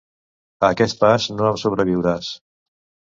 A aquest pas, no em sobreviuràs.